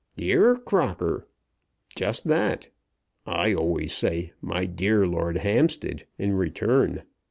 "'Dear Crocker;' just that. I always say 'My dear Lord Hampstead,' in return.